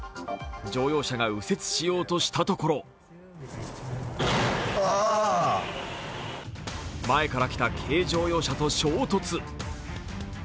乗用車が右折しようとしたところ前から来た軽乗用車と衝突。